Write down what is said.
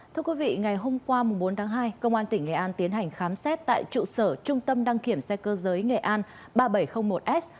thưa quý vị ngày hôm qua bốn tháng hai công an tỉnh nghệ an tiến hành khám xét tại trụ sở trung tâm đăng kiểm xe cơ giới nghệ an ba nghìn bảy trăm linh một s